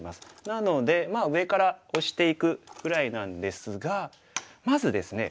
なので上からオシていくぐらいなんですがまずですね